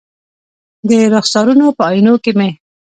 د رخسارونو په آئینو کې مې